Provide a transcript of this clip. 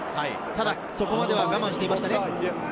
ただそこまでは我慢していましたね。